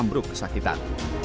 dan amruk kesakitan